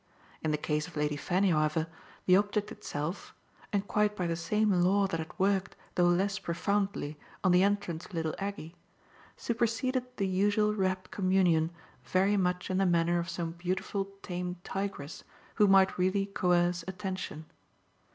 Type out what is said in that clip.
In the case of Lady Fanny, however, the object itself and quite by the same law that had worked, though less profoundly, on the entrance of little Aggie superseded the usual rapt communion very much in the manner of some beautiful tame tigress who might really coerce attention.